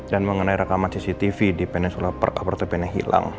dan mengenai rekaman cctv di penyelam per kapal terpen yang hilang